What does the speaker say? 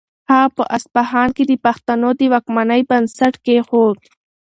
هغه په اصفهان کې د پښتنو د واکمنۍ بنسټ کېښود.